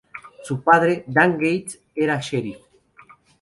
Su padre, Dan Gates, era sheriff.